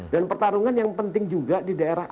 dan pertarungan yang penting juga di daerah